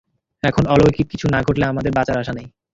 এখন অলৌকিক কিছু না ঘটলে আমাদের বাঁচার আশা নেই।